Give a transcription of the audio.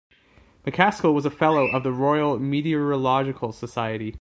McCaskill was a fellow of the Royal Meteorological Society.